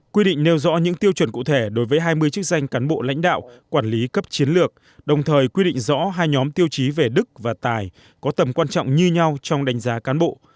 quy định nêu rõ những tiêu chuẩn cụ thể đối với hai mươi chức danh cán bộ lãnh đạo quản lý cấp chiến lược đồng thời quy định rõ hai nhóm tiêu chí về đức và tài có tầm quan trọng như nhau trong đánh giá cán bộ